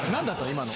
今の。